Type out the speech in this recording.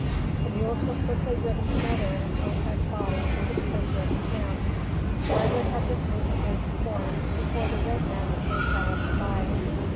The mules were quickly driven together in a compact body into the centre of the camp. Hardly had this movement been performed, before the red men came galloping by.